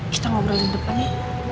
kita ngobrol di depannya